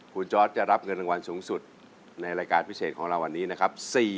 คุณจอร์ดจะรับเงินรางวัลสูงสุดในรายการพิเศษของเราวันนี้นะครับ